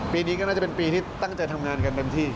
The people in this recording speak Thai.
ปีนี้ก็น่าจะเป็นปีที่ตั้งใจทำงานกันเต็มที่